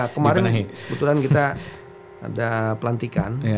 kemarin kebetulan kita ada pelantikan